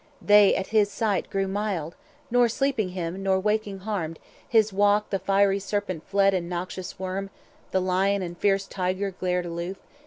They at his sight grew mild, 310 Nor sleeping him nor waking harmed; his walk The fiery serpent fled and noxious worm; The lion and fierce tiger glared aloof.